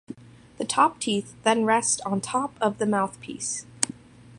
The top teeth then rest on top of the mouthpiece.